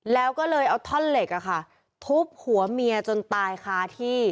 แล้วก็เลยเอาท่อนเหล็กทุบหัวเมียจนตายคาที่